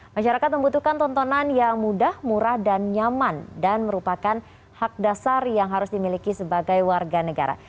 masyarakat membutuhkan tontonan yang mudah murah dan nyaman dan merupakan hak dasar yang harus dimiliki sebagai warga negara